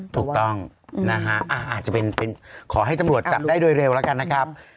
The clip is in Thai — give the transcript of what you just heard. ถูกต้องนะฮะอาจจะเป็นขอให้ตำรวจจับได้โดยเร็วแล้วกันนะครับ